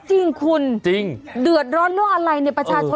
จริงคุณจริงเดือดร้อนเรื่องอะไรเนี้ยประชาชนเออ